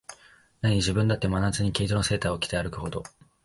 なに、自分だって、真夏に毛糸のセーターを着て歩くほど、